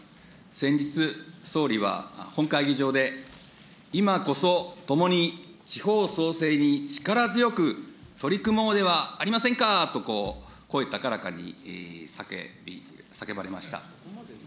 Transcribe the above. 先日、総理は本会議場で、今こそともに地方創生に力強く取り組もうではありませんかと、こう、声高らかに叫ばれました。